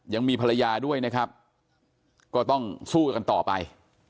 ยังมีภรรยาด้วยนะครับก็ต้องสู้กันต่อไป